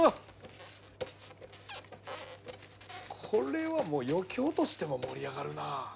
これはもう余興としても盛り上がるなあ。